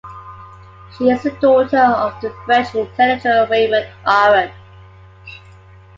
She is the daughter of the French intellectual Raymond Aron.